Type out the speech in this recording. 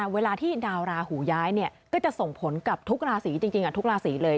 เวลาที่ดาวราหูย้ายก็จะส่งผลกับทุกราศีจริงทุกราศีเลย